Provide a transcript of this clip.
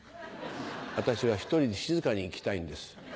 私は１人で静かに生きたいんです。